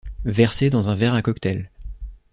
Verser dans un verre à cocktail.